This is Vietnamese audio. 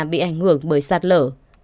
bị ảnh hưởng bởi sạt lở